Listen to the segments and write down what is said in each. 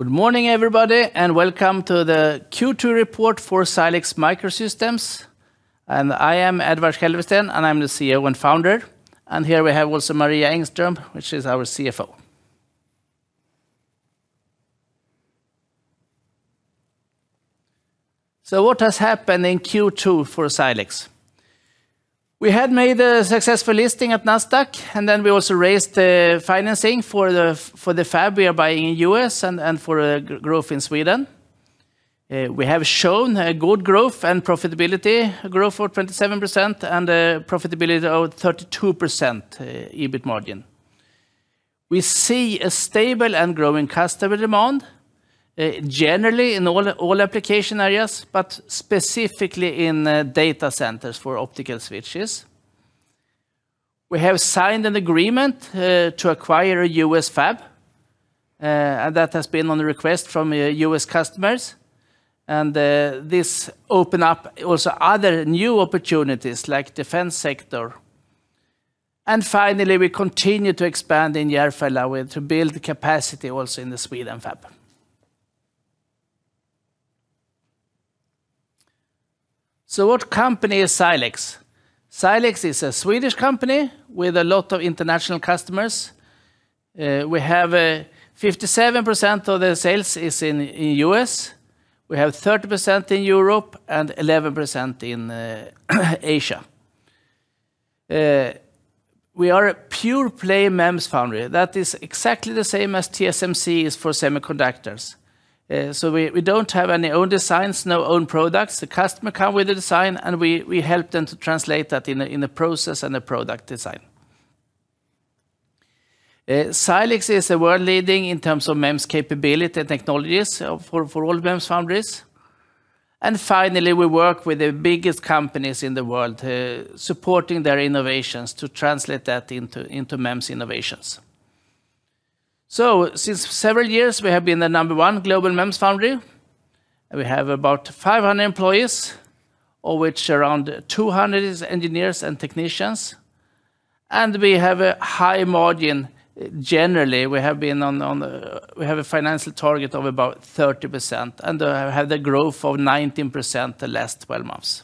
Good morning, everybody, and welcome to the Q2 report for Silex Microsystems. I am Edvard Kälvesten, and I'm the CEO and founder. Here we have also Maria Engström, which is our CFO. What has happened in Q2 for Silex? We had made a successful listing at Nasdaq, and we also raised the financing for the fab we are buying in the U.S. and for growth in Sweden. We have shown a good growth and profitability growth of 27% and a profitability of 32% EBIT margin. We see a stable and growing customer demand, generally in all application areas, but specifically in data centers for optical switches. We have signed an agreement to acquire a U.S. fab, and that has been on the request from U.S. customers. This open up also other new opportunities like defense sector. Finally, we continue to expand in Järfälla to build capacity also in the Sweden fab. What company is Silex? Silex is a Swedish company with a lot of international customers. We have 57% of the sales is in U.S., we have 30% in Europe, and 11% in Asia. We are a pure-play MEMS foundry that is exactly the same as TSMC is for semiconductors. We don't have any own designs, no own products. The customer come with the design, and we help them to translate that in the process and the product design. Silex is a world leading in terms of MEMS capability technologies for all MEMS foundries. Finally, we work with the biggest companies in the world, supporting their innovations to translate that into MEMS innovations. Since several years, we have been the number one global MEMS foundry. We have about 500 employees, of which around 200 is engineers and technicians. We have a high margin. Generally, we have a financial target of about 30% and have the growth of 19% the last 12 months.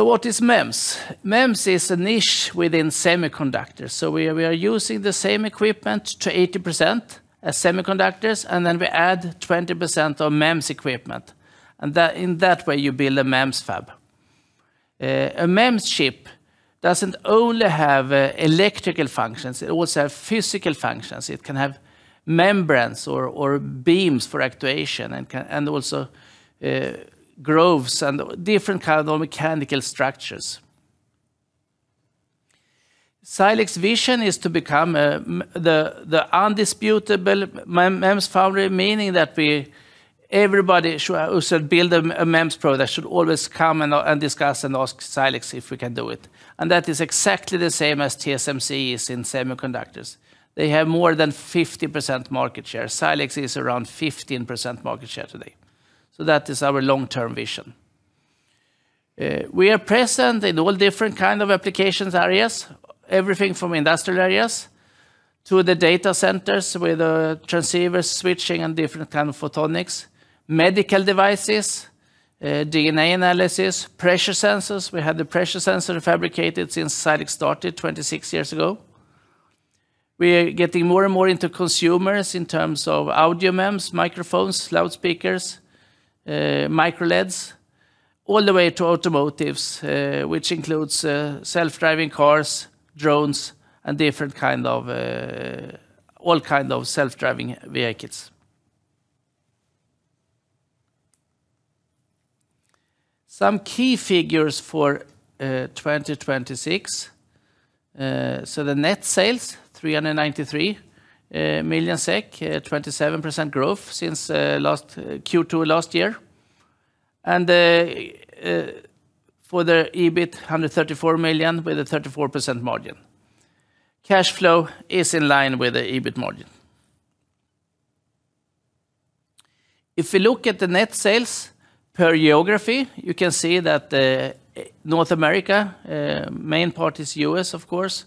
What is MEMS? MEMS is a niche within semiconductors. We are using the same equipment to 80% as semiconductors, and we add 20% of MEMS equipment. In that way, you build a MEMS fab. A MEMS chip doesn't only have electrical functions, it also have physical functions. It can have membranes or beams for actuation and also groves and different kind of mechanical structures. Silex's vision is to become the undisputable MEMS foundry, meaning that everybody who should build a MEMS product should always come and discuss and ask Silex if we can do it. That is exactly the same as TSMC is in semiconductors. They have more than 50% market share. Silex is around 15% market share today. That is our long-term vision. We are present in all different kind of applications areas, everything from industrial areas to the data centers with transceivers, switching, and different kind of photonics. Medical devices, DNA analysis, pressure sensors. We had the pressure sensor fabricated since Silex started 26 years ago. We are getting more and more into consumers in terms of audio MEMS, microphones, loudspeakers, MicroLEDs, all the way to automotives, which includes self-driving cars, drones, and all kind of self-driving vehicles. Some key figures for 2026. The net sales, 393 million SEK, 27% growth since Q2 last year. For the EBIT, 134 million with a 34% margin. Cash flow is in line with the EBIT margin. If you look at the net sales per geography, you can see that the North America, main part is U.S., of course,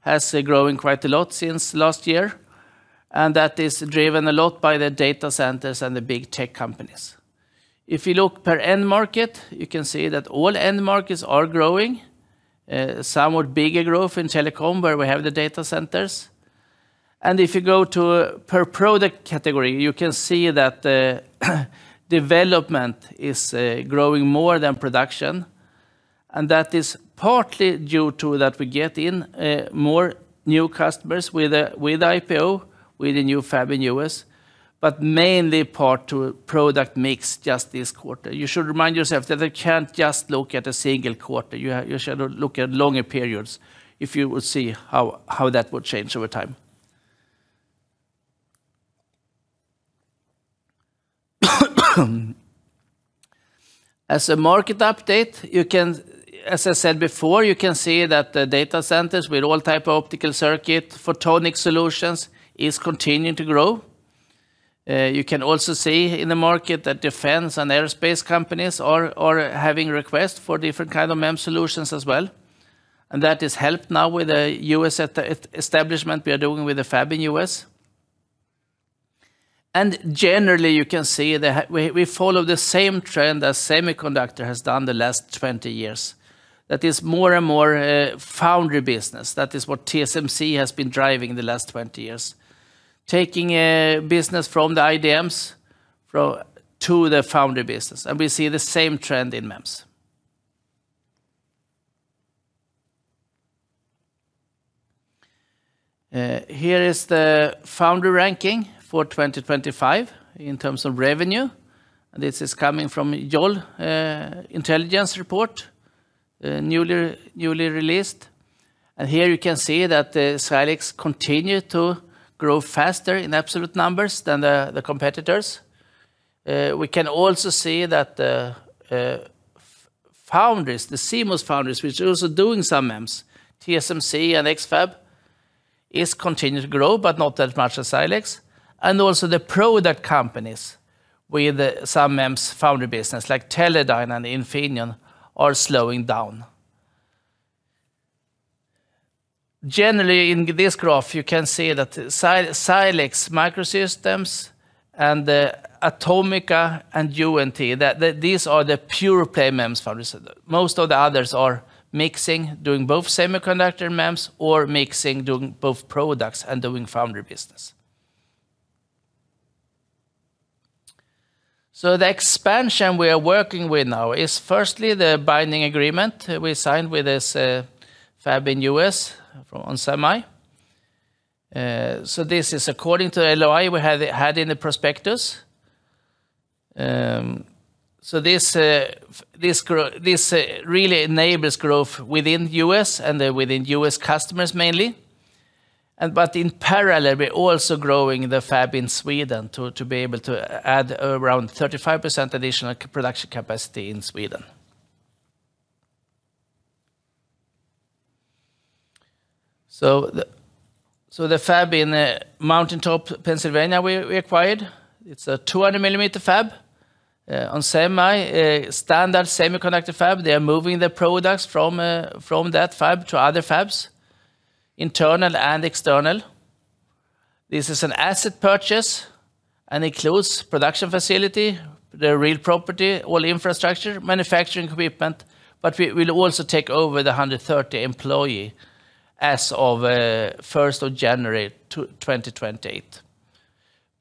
has grown quite a lot since last year, and that is driven a lot by the data centers and the big tech companies. If you look per end market, you can see that all end markets are growing, somewhat bigger growth in telecom, where we have the data centers. If you go to per product category, you can see that the development is growing more than production, and that is partly due to that we get in more new customers with IPO, with the new fab in U.S., but mainly part to product mix just this quarter. You should remind yourself that you can't just look at a single quarter. You should look at longer periods if you would see how that would change over time. As a market update, as I said before, you can see that the data centers with all type of optical circuit, photonic solutions is continuing to grow. You can also see in the market that defense and aerospace companies are having requests for different kind of MEMS solutions as well. That is helped now with the U.S. establishment we are doing with the fab in U.S. Generally, you can see that we follow the same trend as semiconductor has done the last 20 years. That is more and more foundry business. That is what TSMC has been driving the last 20 years, taking business from the IDMs to the foundry business. We see the same trend in MEMS. Here is the foundry ranking for 2025 in terms of revenue, and this is coming from Yole Intelligence report, newly released. Here you can see that Silex continue to grow faster in absolute numbers than the competitors. We can also see that foundries, the CMOS foundries, which are also doing some MEMS, TSMC and X-FAB, is continued to grow, but not as much as Silex. Also the product companies with some MEMS foundry business like Teledyne and Infineon are slowing down. Generally, in this graph, you can see that Silex Microsystems and Atomica and UNT, that these are the pure-play MEMS foundries. Most of the others are mixing, doing both semiconductor MEMS or mixing, doing both products and doing foundry business. The expansion we are working with now is firstly the binding agreement we signed with this fab in U.S. from onsemi. This is according to LOI we had in the prospectus. This really enables growth within U.S. and within U.S. customers mainly. In parallel, we're also growing the fab in Sweden to be able to add around 35% additional production capacity in Sweden. The fab in Mountain Top, Pennsylvania, we acquired. It's a 200 mm fab, onsemi, a standard semiconductor fab. They are moving their products from that fab to other fabs, internal and external. This is an asset purchase and includes production facility, the real property, all infrastructure, manufacturing equipment, but we will also take over the 130 employee as of 1st of January 2028.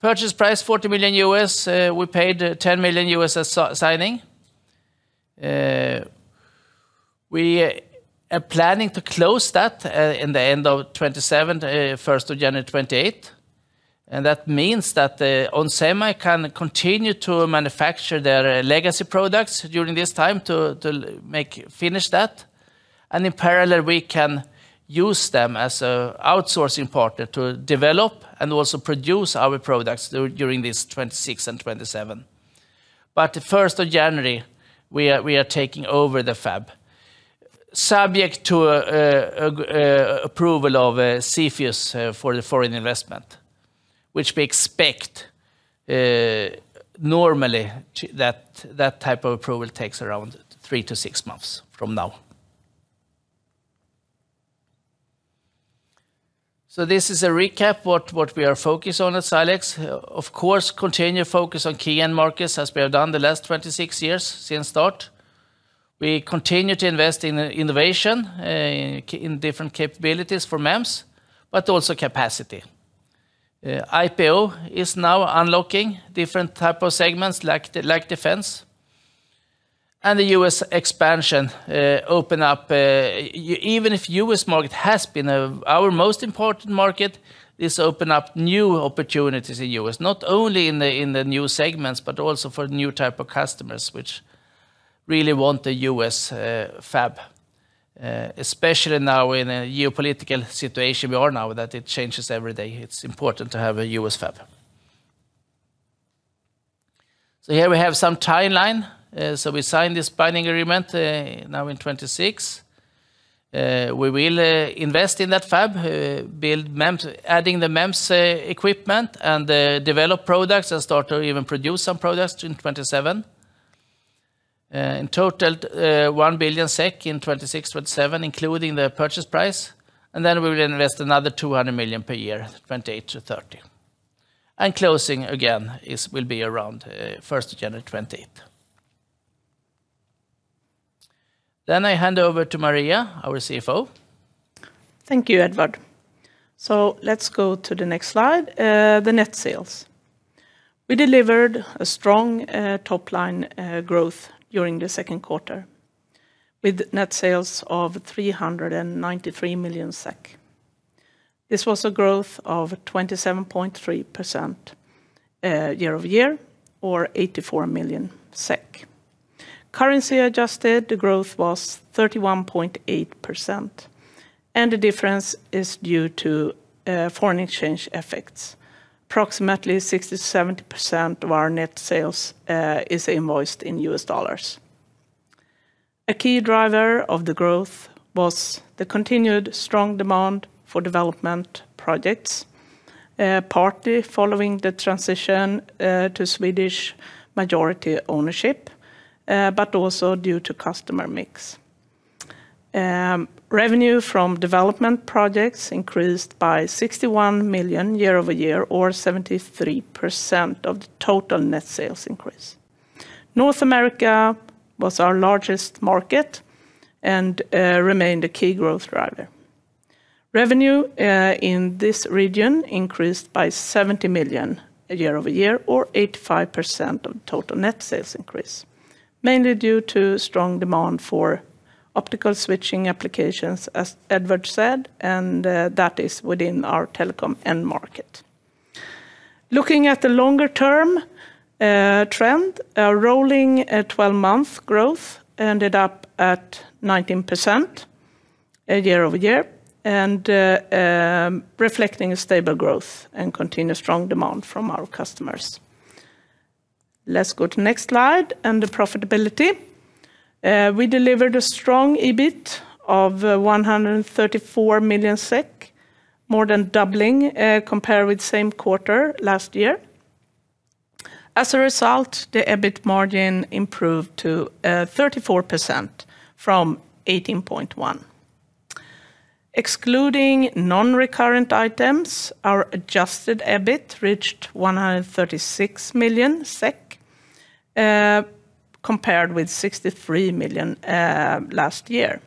Purchase price, $40 million. We paid $10 million as signing. We are planning to close that in the end of 2027, 1st of January 2028. That means that onsemi can continue to manufacture their legacy products during this time to finish that. In parallel, we can use them as an outsourcing partner to develop and also produce our products during 2026 and 2027. The 1st of January, we are taking over the fab, subject to approval of CFIUS for the foreign investment, which we expect. Normally, that type of approval takes around three to six months from now. This is a recap what we are focused on at Silex. Of course, continue focus on key end markets as we have done the last 26 years since start. We continue to invest in innovation, in different capabilities for MEMS, but also capacity. IPO is now unlocking different type of segments like defense. The U.S. expansion open up, even if U.S. market has been our most important market, this open up new opportunities in U.S., not only in the new segments, but also for new type of customers, which really want the U.S. fab. Especially now in a geopolitical situation we are now, that it changes every day. It's important to have a U.S. fab. Here we have some timeline. We signed this binding agreement now in 2026. We will invest in that fab, build MEMS, adding the MEMS equipment and develop products and start to even produce some products in 2027. In total, 1 billion SEK in 2026, 2027, including the purchase price. We will invest another 200 million per year, 2028 to 2030. Closing, again, will be around 1st of January 2028. I hand over to Maria, our CFO. Thank you, Edvard. Let's go to the next slide, the net sales. We delivered a strong top line growth during the second quarter with net sales of 393 million SEK. This was a growth of 27.3% year-over-year, or 84 million SEK. Currency adjusted, the growth was 31.8%, and the difference is due to foreign exchange effects. Approximately 60%-70% of our net sales is invoiced in U.S. dollars. A key driver of the growth was the continued strong demand for development projects, partly following the transition to Swedish majority ownership, but also due to customer mix. Revenue from development projects increased by 61 million year-over-year or 73% of the total net sales increase. North America was our largest market and remained a key growth driver. Revenue in this region increased by 70 million year-over-year, or 85% of total net sales increase, mainly due to strong demand for optical switching applications, as Edvard said, and that is within our telecom end market. Looking at the longer-term trend, our rolling 12-month growth ended up at 19% year-over-year, reflecting a stable growth and continued strong demand from our customers. Let's go to next slide and the profitability. We delivered a strong EBIT of 134 million SEK, more than doubling, compared with same quarter last year. As a result, the EBIT margin improved to 34% from 18.1%. Excluding non-recurrent items, our adjusted EBIT reached 136 million SEK, compared with 63 million last year.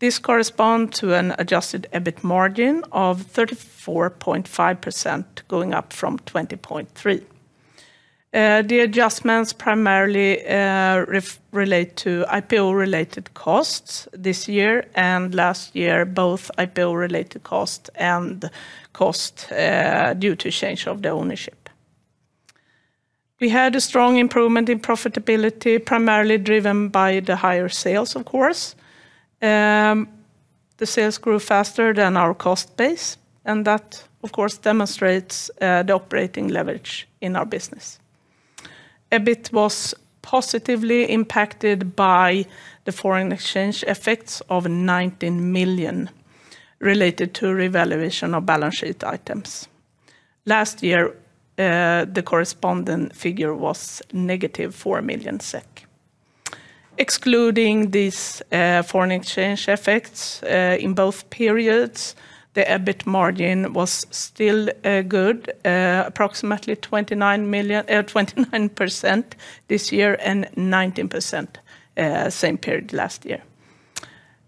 This corresponds to an adjusted EBIT margin of 34.5% going up from 20.3%. The adjustments primarily relate to IPO-related costs this year and last year, both IPO-related cost and cost due to change of the ownership. We had a strong improvement in profitability, primarily driven by the higher sales, of course. That, of course, demonstrates the operating leverage in our business. EBIT was positively impacted by the foreign exchange effects of 19 million related to revaluation of balance sheet items. Last year, the corresponding figure was negative 4 million SEK. Excluding these foreign exchange effects, in both periods, the EBIT margin was still good, approximately 29% this year and 19% same period last year.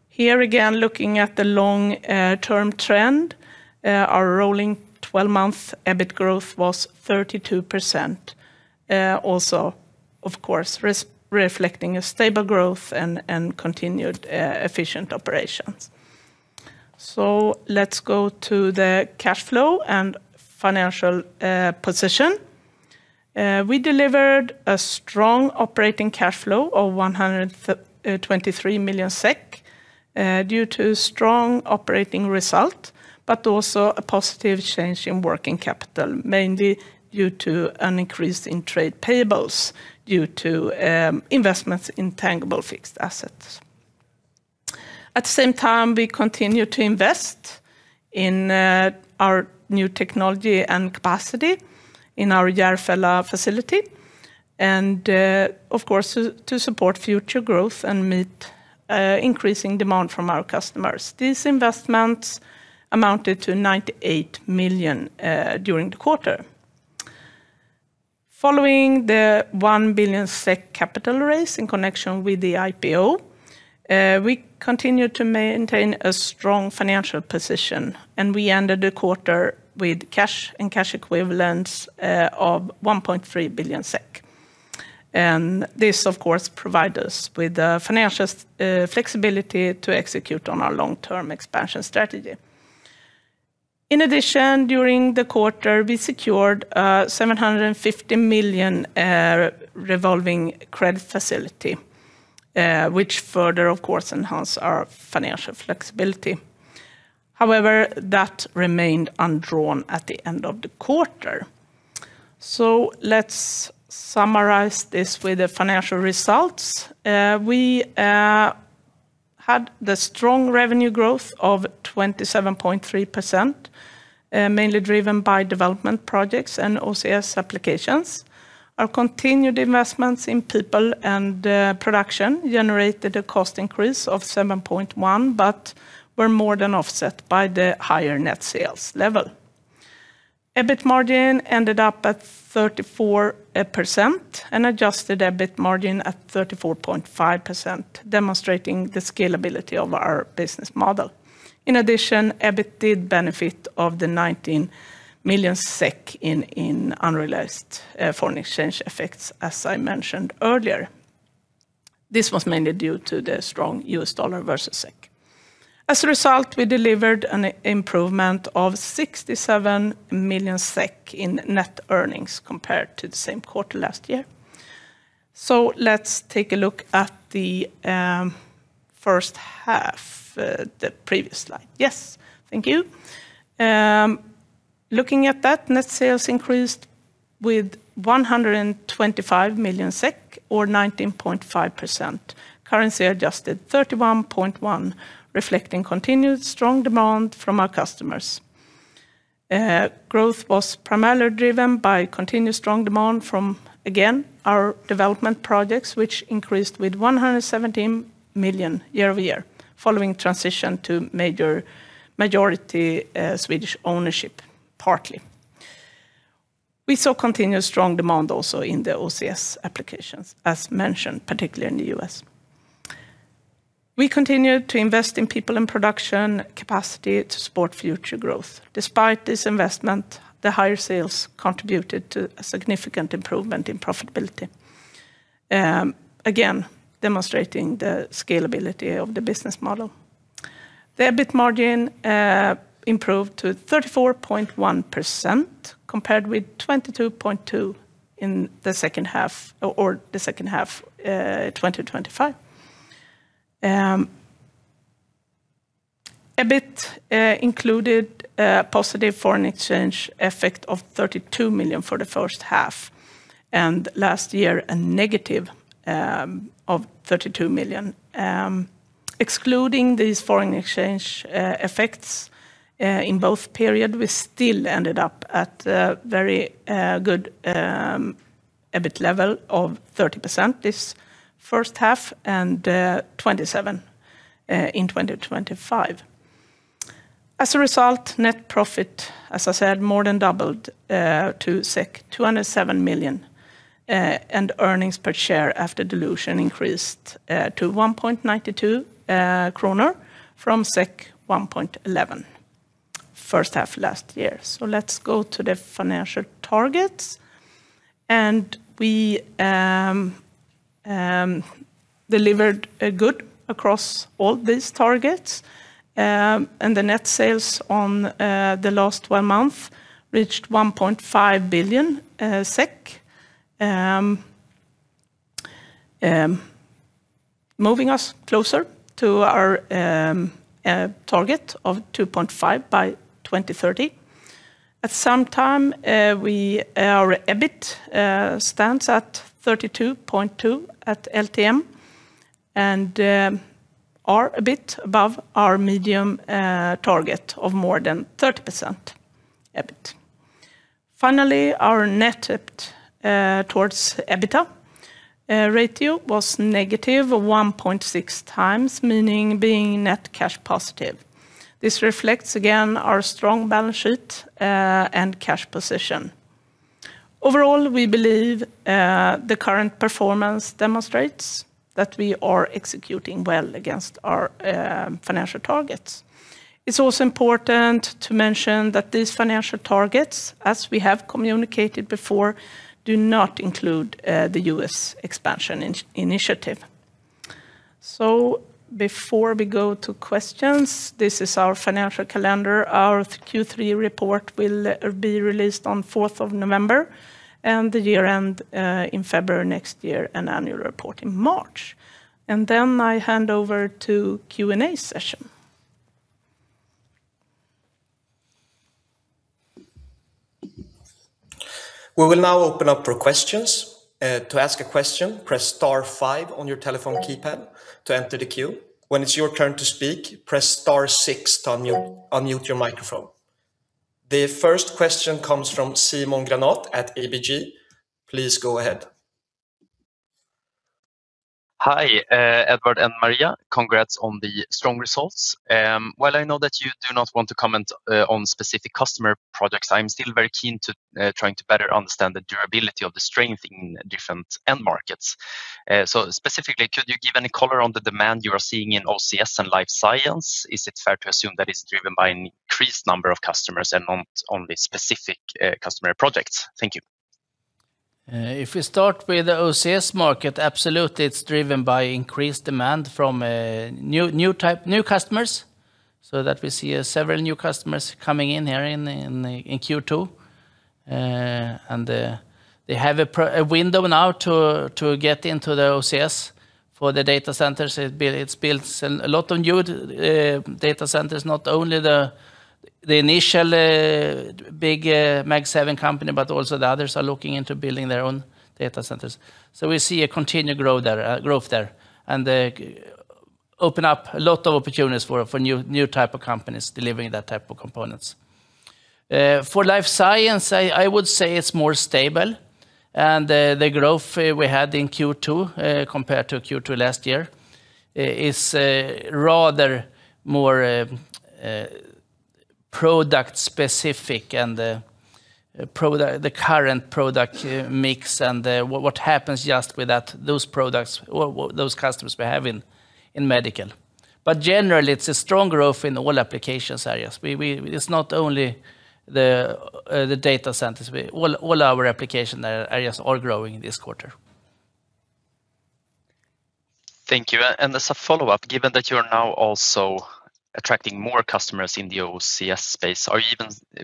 Here again, looking at the long-term trend, our rolling 12-month EBIT growth was 32%. Also, of course, reflecting a stable growth and continued efficient operations. Let's go to the cash flow and financial position. We delivered a strong operating cash flow of 123 million SEK due to strong operating result, also a positive change in working capital, mainly due to an increase in trade payables due to investments in tangible fixed assets. At the same time, we continue to invest in our new technology and capacity in our Järfälla facility, of course, to support future growth and meet increasing demand from our customers. These investments amounted to 98 million during the quarter. Following the 1 billion SEK capital raise in connection with the IPO, we continued to maintain a strong financial position, we ended the quarter with cash and cash equivalents of 1.3 billion SEK. This, of course, provide us with the financial flexibility to execute on our long-term expansion strategy. In addition, during the quarter, we secured a 750 million revolving credit facility, which further, of course, enhance our financial flexibility. However, that remained undrawn at the end of the quarter. Let's summarize this with the financial results. We had the strong revenue growth of 27.3%, mainly driven by development projects and OCS applications. Our continued investments in people and production generated a cost increase of 7.1%, Were more than offset by the higher net sales level. EBIT margin ended up at 34%, Adjusted EBIT margin at 34.5%, demonstrating the scalability of our business model. In addition, EBIT did benefit of the 19 million SEK in unrealized foreign exchange effects, as I mentioned earlier. This was mainly due to the strong U.S. dollar versus SEK. As a result, we delivered an improvement of 67 million SEK in net earnings compared to the same quarter last year. Let's take a look at the first half. The previous slide. Yes, thank you. Looking at that, net sales increased with 125 million SEK, or 19.5%, currency adjusted 31.1%, reflecting continued strong demand from our customers. Growth was primarily driven by continued strong demand from, again, our development projects, which increased with 117 million year-over-year, following transition to majority Swedish ownership, partly. We saw continued strong demand also in the OCS applications, as mentioned, particularly in the U.S. We continued to invest in people and production capacity to support future growth. Despite this investment, the higher sales contributed to a significant improvement in profitability, again demonstrating the scalability of the business model. The EBIT margin improved to 34.1%, compared with 22.2% in the second half of 2025. EBIT included a positive foreign exchange effect of 32 million for the first half, and last year, a negative of 32 million. Excluding these foreign exchange effects in both periods, we still ended up at a very good EBIT level of 30% this first half and 27% in 2025. Net profit, as I said, more than doubled to 207 million, and earnings per share after dilution increased to 1.92 kronor from 1.11 first half last year. Let's go to the financial targets. We delivered good across all these targets. The net sales on the last one month reached 1.5 billion SEK, moving us closer to our target of 2.5 billion by 2030. At the same time, our EBIT stands at 32.2% at LTM and are a bit above our medium target of more than 30% EBIT. Our net debt towards EBITDA ratio was -1.6x, meaning being net cash positive. This reflects, again, our strong balance sheet and cash position. We believe the current performance demonstrates that we are executing well against our financial targets. It's also important to mention that these financial targets, as we have communicated before, do not include the U.S. expansion initiative. Before we go to questions, this is our financial calendar. Our Q3 report will be released on November 4th, and the year-end in February next year, and annual report in March. I hand over to Q&A session. We will now open up for questions. To ask a question, press star five on your telephone keypad to enter the queue. When it's your turn to speak, press star six to unmute your microphone. The first question comes from Simon Granath at ABG. Please go ahead. Hi, Edvard and Maria. Congrats on the strong results. While I know that you do not want to comment on specific customer projects, I'm still very keen to trying to better understand the durability of the strength in different end markets. Specifically, could you give any color on the demand you are seeing in OCS and Life Science? Is it fair to assume that it's driven by an increased number of customers and not only specific customer projects? Thank you. If we start with the OCS market, absolutely, it's driven by increased demand from new customers, we see several new customers coming in here in Q2. They have a window now to get into the OCS for the data centers. It builds a lot of new data centers, not only the initial big MAG7 company, but also the others are looking into building their own data centers. We see a continued growth there, and open up a lot of opportunities for new type of companies delivering that type of components. For Life Science, I would say it's more stable, and the growth we had in Q2, compared to Q2 last year, is rather more product specific and the current product mix and what happens just with those customers we have in medical. Generally, it's a strong growth in all application areas. It's not only the data centers. All our application areas are growing this quarter. Thank you. As a follow-up, given that you're now also attracting more customers in the OCS space,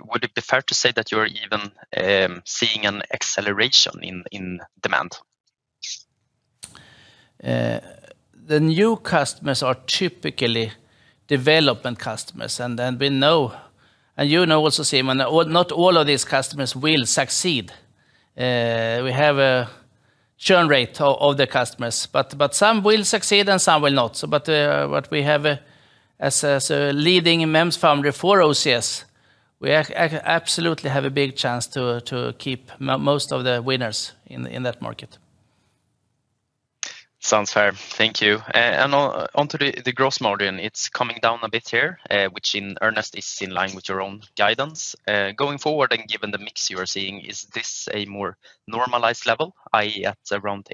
would it be fair to say that you're even seeing an acceleration in demand? The new customers are typically development customers. You know also, Simon, not all of these customers will succeed. We have a churn rate of the customers, some will succeed and some will not. What we have as a leading MEMS foundry for OCS, we absolutely have a big chance to keep most of the winners in that market. Sounds fair. Thank you. Onto the gross margin. It's coming down a bit here, which in earnest is in line with your own guidance. Going forward, and given the mix you are seeing, is this a more normalized level, i.e., at around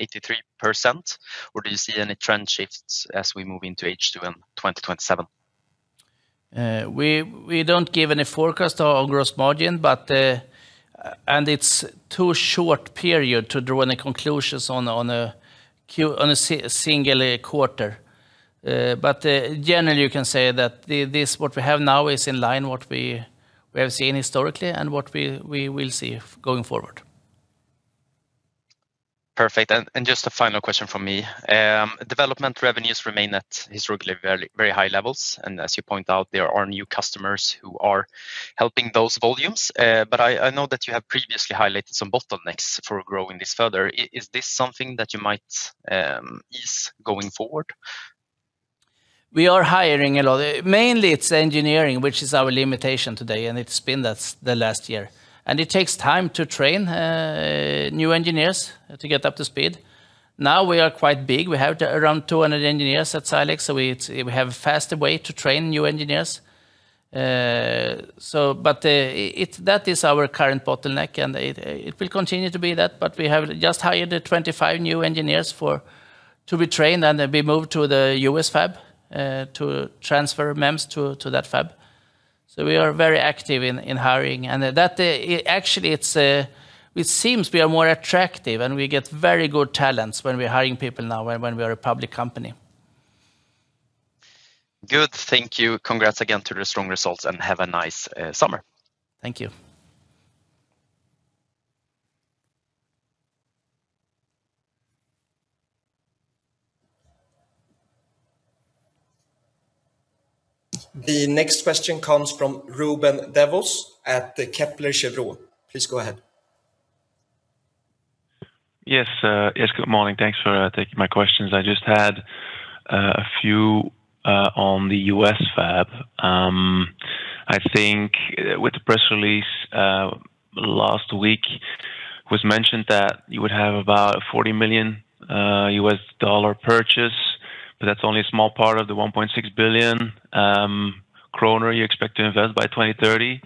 83%? Do you see any trend shifts as we move into H2 in 2027? We don't give any forecast on gross margin. It's too short period to draw any conclusions on a single quarter. Generally, you can say that what we have now is in line, what we have seen historically and what we will see going forward. Perfect. Just a final question from me. Development revenues remain at historically very high levels. As you point out, there are new customers who are helping those volumes. I know that you have previously highlighted some bottlenecks for growing this further. Is this something that you might ease going forward? We are hiring a lot. Mainly it's engineering, which is our limitation today, and it's been the last year. It takes time to train new engineers to get up to speed. Now we are quite big. We have around 200 engineers at Silex, so we have a faster way to train new engineers. That is our current bottleneck, and it will continue to be that, but we have just hired 25 new engineers to be trained, and they'll be moved to the U.S. fab, to transfer MEMS to that fab. We are very active in hiring. Actually, it seems we are more attractive, and we get very good talents when we're hiring people now, when we are a public company. Good. Thank you. Congrats again to the strong results, and have a nice summer. Thank you. The next question comes from Ruben Devos at the Kepler Cheuvreux. Please go ahead. Yes. Good morning. Thanks for taking my questions. I just had a few on the U.S. fab. I think with the press release last week, it was mentioned that you would have about $40 million purchase, but that's only a small part of the 1.6 billion kronor you expect to invest by 2030.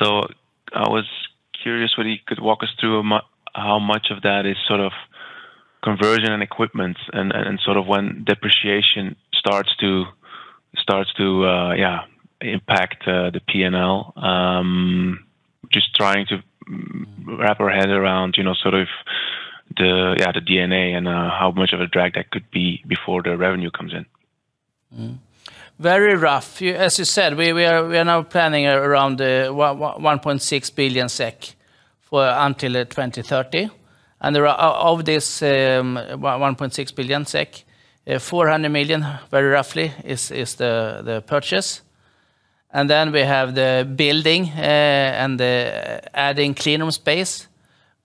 I was curious whether you could walk us through how much of that is sort of conversion and equipment and sort of when depreciation starts to impact the P&L. Trying to wrap our head around sort of the DnA and how much of a drag that could be before the revenue comes in. Very rough. As you said, we are now planning around 1.6 billion SEK until 2030. Of this 1.6 billion SEK, 400 million, very roughly, is the purchase. We have the building and adding clean room space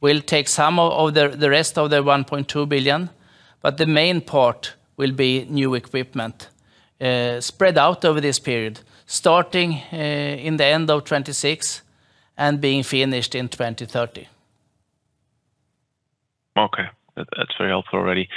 will take some of the rest of the 1.2 billion. The main part will be new equipment spread out over this period, starting in the end of 2026 and being finished in 2030. Okay. That's very helpful already.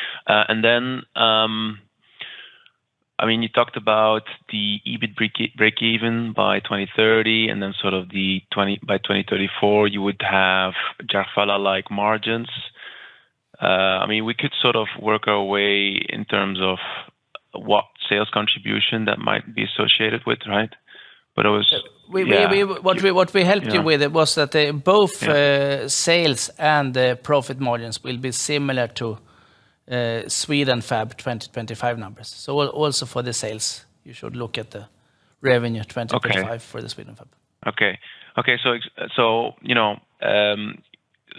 You talked about the EBIT break even by 2030, and by 2034 you would have Järfälla-like margins. We could sort of work our way in terms of what sales contribution that might be associated with, right? What we helped you with was that both sales and profit margins will be similar to Sweden Fab 2025 numbers. Also for the sales, you should look at the revenue 2025 for the Sweden Fab. Okay.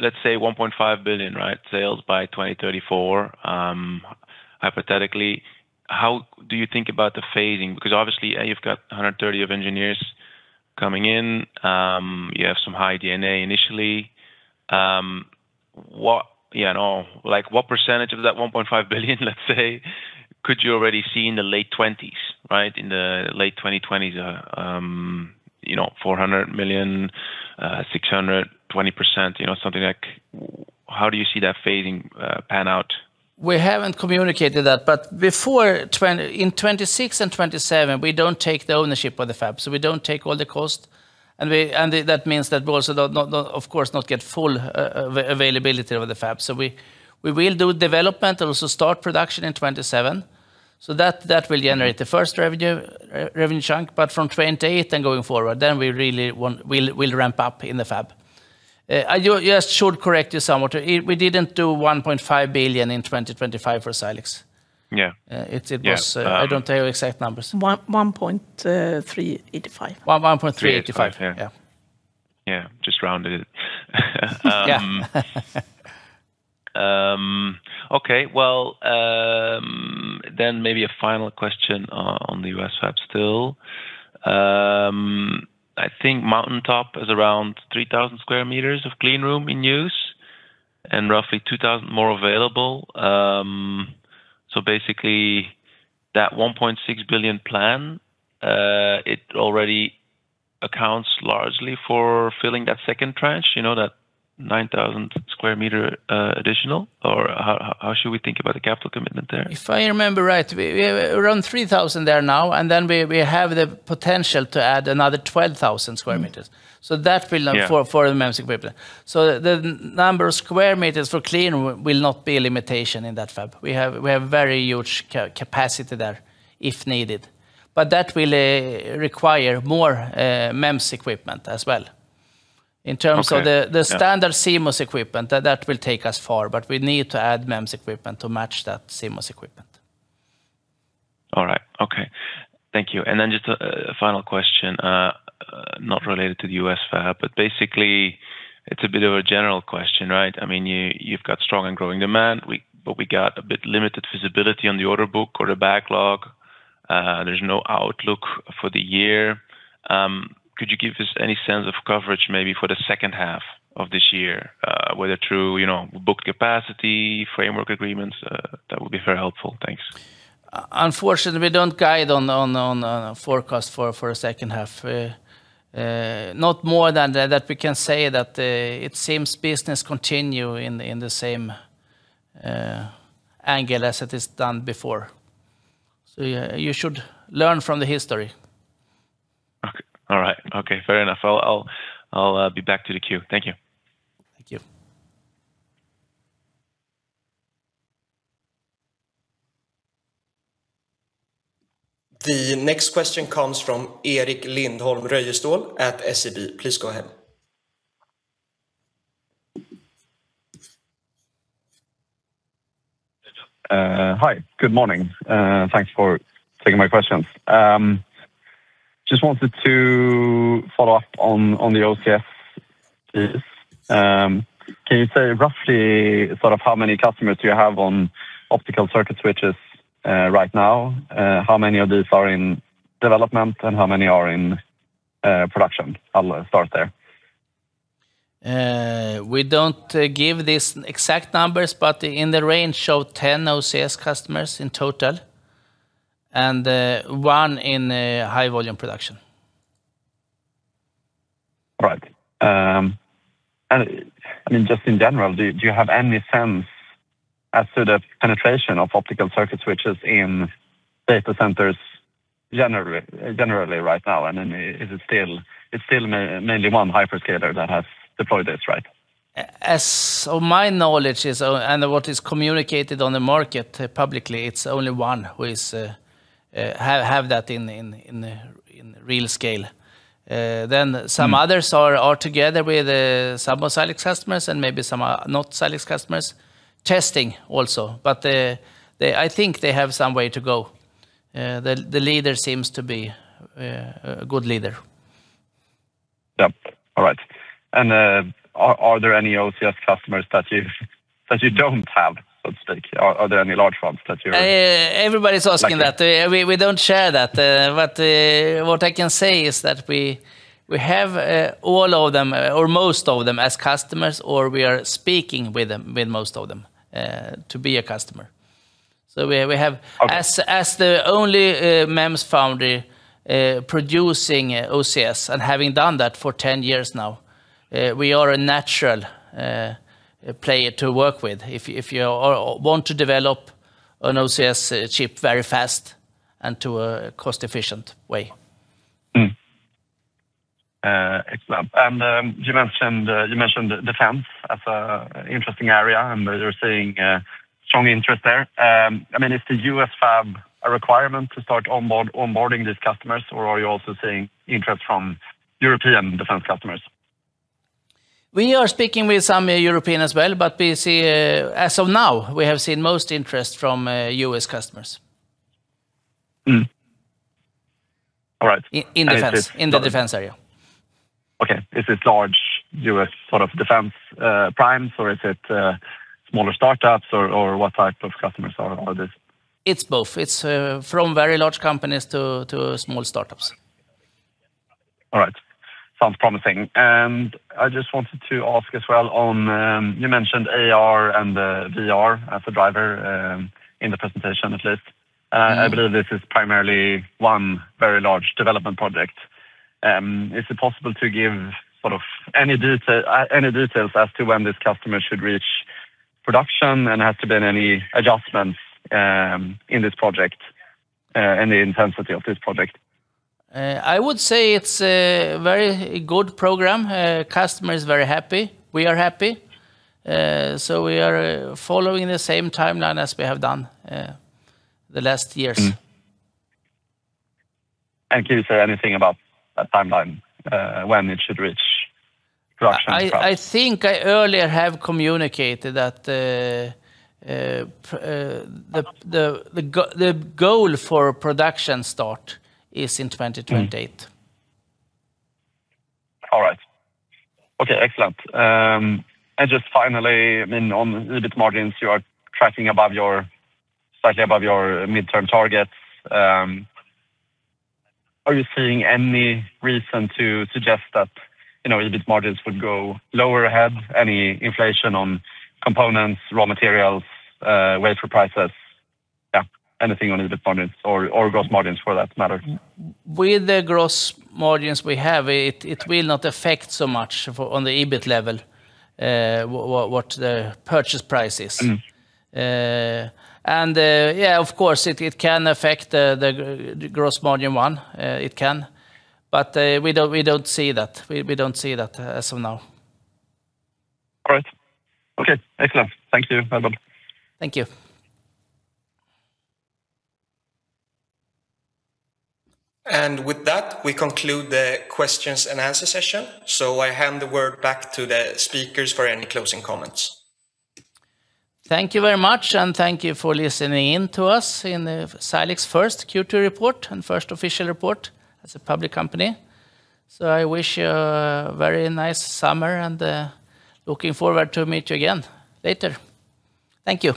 Let's say 1.5 billion sales by 2034, hypothetically. How do you think about the phasing? Obviously, A, you've got 130 engineers coming in. You have some high DnA initially. What percentage of that 1.5 billion, let's say, could you already see in the late 2020s? In the late 2020s, 400 million, 600 million, 20%, something like. How do you see that phasing pan out? We haven't communicated that, but in 2026 and 2027, we don't take the ownership of the fab, so we don't take all the cost. That means that we also, of course, not get full availability of the fab. We will do development, also start production in 2027. That will generate the first revenue chunk. From 2028 and going forward, then we'll ramp up in the fab. I just should correct you somewhat. We didn't do 1.5 billion in 2025 for Silex. Yeah. I don't have exact numbers. 1.385. SEK 1.385 billion. Yeah. Yeah, just rounded it. Yeah. Okay. Maybe a final question on the U.S. fab still. I think Mountain Top is around 3,000 sq m of clean room in use and roughly 2,000 more available. Basically that 1.6 billion plan, it already accounts largely for filling that second tranche, that 9,000 sq m additional? Or how should we think about the capital commitment there? If I remember right, we have around 3,000 there now, and then we have the potential to add another 12,000 sq m. That will- Yeah fill for the MEMS equipment. The number of sq m for clean will not be a limitation in that fab. We have very huge capacity there if needed, but that will require more MEMS equipment as well. Okay. Yeah. In terms of the standard CMOS equipment, that will take us far, but we need to add MEMS equipment to match that CMOS equipment. All right. Okay. Thank you. Then just a final question, not related to the U.S. fab, but basically it's a bit of a general question. You've got strong and growing demand, but we got a bit limited visibility on the order book or the backlog. There's no outlook for the year. Could you give us any sense of coverage maybe for the second half of this year? Whether through booked capacity, framework agreements? That would be very helpful. Thanks. Unfortunately, we don't guide on a forecast for a second half. Not more than that, we can say that it seems business continue in the same angle as it is done before. You should learn from the history. Okay. All right. Okay. Fair enough. I'll be back to the queue. Thank you. Thank you. The next question comes from Erik Lindholm-Röjestål at SEB. Please go ahead. Hi, good morning. Thanks for taking my questions. Just wanted to follow up on the OCS, please. Can you say roughly how many customers do you have on optical circuit switches right now? How many of these are in development and how many are in production? I'll start there. We don't give these exact numbers, but in the range of 10 OCS customers in total and one in high volume production. Just in general, do you have any sense as to the penetration of optical circuit switches in data centers generally right now? It's still mainly one hyperscaler that has deployed this, right? As of my knowledge is, what is communicated on the market publicly, it's only one who have that in real scale. Some others are together with some of Silex customers and maybe some are not Silex customers, testing also. I think they have some way to go. The leader seems to be a good leader. Yep. All right. Are there any OCS customers that you don't have, so to speak? Everybody's asking that. We don't share that. What I can say is that we have all of them, or most of them as customers, or we are speaking with most of them to be a customer. Okay. As the only MEMS foundry producing OCS and having done that for 10 years now, we are a natural player to work with if you want to develop an OCS chip very fast and to a cost-efficient way. Excellent. You mentioned defense as an interesting area, and you're seeing strong interest there. Is the U.S. fab a requirement to start onboarding these customers, or are you also seeing interest from European defense customers? We are speaking with some European as well, as of now, we have seen most interest from U.S. customers. All right. In the defense area. Okay. Is it large U.S. defense primes, or is it smaller startups, or what type of customers are these? It's both. It's from very large companies to small startups. All right. Sounds promising. I just wanted to ask as well on, you mentioned AR and VR as a driver, in the presentation at least. I believe this is primarily one very large development project. Is it possible to give any details as to when this customer should reach production and has there been any adjustments in this project, in the intensity of this project? I would say it's a very good program. Customer is very happy. We are happy. We are following the same timeline as we have done the last years. Can you say anything about that timeline, when it should reach production? I think I earlier have communicated that the goal for production start is in 2028. All right. Okay, excellent. Just finally, on EBIT margins, you are tracking slightly above your midterm targets. Are you seeing any reason to suggest that EBIT margins would go lower ahead? Any inflation on components, raw materials, wafer prices? Yeah. Anything on EBIT margins or gross margins for that matter? With the gross margins we have, it will not affect so much on the EBIT level, what the purchase price is. Yeah, of course, it can affect the gross margin one. It can, but we don't see that. We don't see that as of now. Great. Okay. Excellent. Thank you. Bye-bye. Thank you. With that, we conclude the questions and answer session. I hand the word back to the speakers for any closing comments. Thank you very much, and thank you for listening in to us in the Silex first Q2 report and first official report as a public company. I wish you a very nice summer and looking forward to meet you again later. Thank you.